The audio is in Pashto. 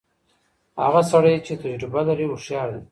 هغه سړی چي تجربه لري هوښیار دی.